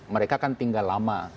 mereka kan tinggal lama